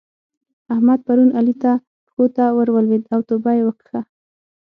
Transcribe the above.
احمد پرون علي ته پښو ته ور ولېد او توبه يې وکښه.